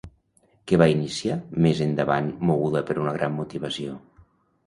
Què va iniciar més endavant moguda per una gran motivació?